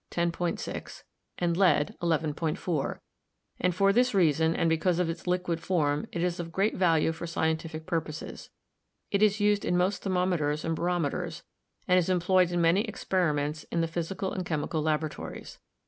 6) and lead (11.4), and for this reason and because of its liquid form it is of great value for scientific purposes. It is used in most thermometers and barome ters, and is employed in many experiments in the physical and chemical laboratories.